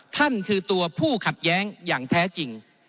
ท่านคือตัวผู้ขัดแย้งอย่างแท้จริง